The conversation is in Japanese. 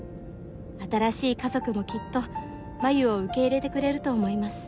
「新しい家族もきっと真夢を受け入れてくれると思います」